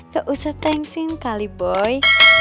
gak usah thanksing kali boy